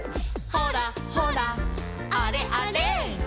「ほらほらあれあれ」